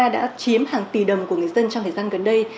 đã chiếm hàng tỷ đồng của người dân trong thời gian gần đây